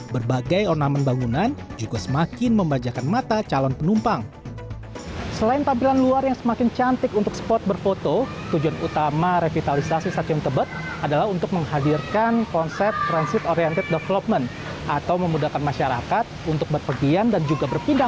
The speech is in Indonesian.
berbagai ornamen bangunan juga semakin membajakan mata calon penumpang